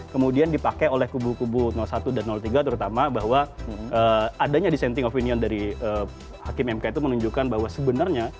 kemudian dipakai oleh kubu kubu satu dan tiga terutama bahwa adanya dissenting opinion dari hakim mk itu menunjukkan bahwa sebenarnya